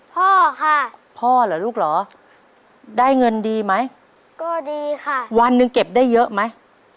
พ่อค่ะพ่อเหรอลูกเหรอได้เงินดีไหมก็ดีค่ะวันหนึ่งเก็บได้เยอะไหม